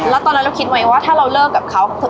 แล้วตอนนั้นเราคิดไหมว่าถ้าเราเลิกกับเขา